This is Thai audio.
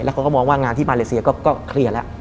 เขาก็มองว่างานที่มาเลเซียก็เคลียร์แล้ว